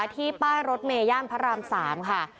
ที่ป้านรถเมย่อนพัทราร้ำ๓